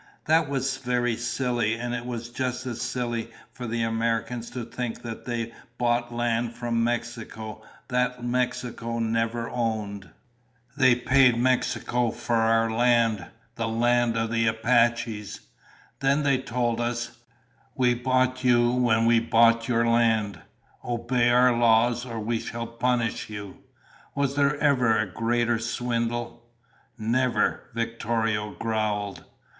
"That was very silly, and it was just as silly for the Americans to think they bought land from Mexico that Mexico never owned. They paid Mexico for our land, the country of the Apaches. Then they told us, 'We bought you when we bought your land. Obey our laws, or we shall punish you.' Was there ever a greater swindle?" "Never!" Victorio growled.